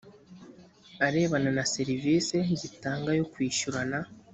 arebana na serivisi gitanga yo kwishyurana